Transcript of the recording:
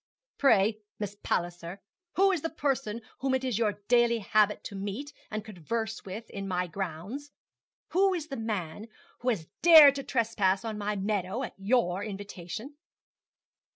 'Pray, Miss Palliser, who is the person whom it is your daily habit to meet and converse with in my grounds? Who is the man who has dared to trespass on my meadow at your invitation?'